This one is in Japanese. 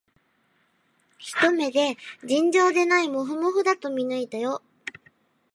ひと目で、尋常でないもふもふだと見抜いたよ